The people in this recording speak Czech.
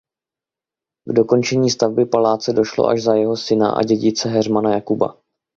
K dokončení stavby paláce došlo až za jeho syna a dědice Heřmana Jakuba.